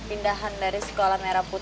yaudah ayo kita masuk